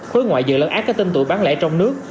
khối ngoại dựa lên các tên tủ bán lẻ trong nước